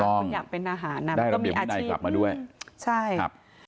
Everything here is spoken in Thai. ถูกต้องได้ระเบียบข้างในกลับมาด้วยมันก็มีอาชีพใช่